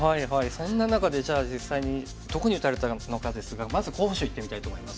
そんな中でじゃあ実際にどこに打たれたのかですがまず候補手いってみたいと思います。